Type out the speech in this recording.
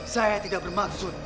saya tidak bermaksud